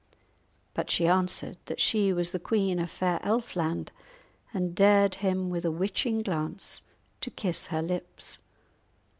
But she answered that she was Queen of fair Elfland, and dared him, with a witching glance, to kiss her lips.